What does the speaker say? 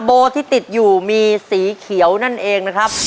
โบที่ติดอยู่มีสีเขียวนั่นเองนะครับ